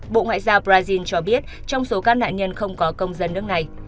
bộ ngoại giao brazil cho biết trong số các nạn nhân không có công dân nước này